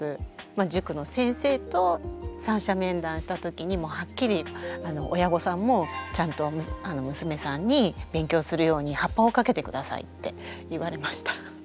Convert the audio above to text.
塾の先生と三者面談した時にもうはっきり親御さんもちゃんと娘さんに勉強するようにハッパをかけて下さいって言われました。